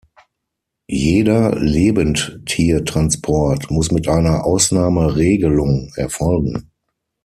Jeder Lebendtiertransport muss mit einer Ausnahmeregelung erfolgen.